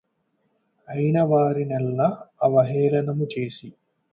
ఐనవారినెల్ల అవహేళనము చేసి